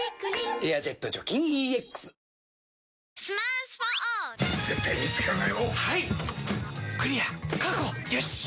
「エアジェット除菌ＥＸ」え